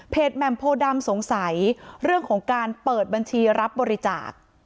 แหม่มโพดำสงสัยเรื่องของการเปิดบัญชีรับบริจาค